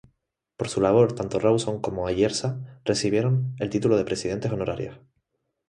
Por su labor, tanto Rawson como Ayerza recibieron el título de "presidentes honorarios".